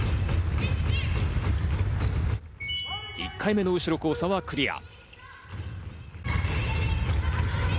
１回目の後ろ交差はクリア。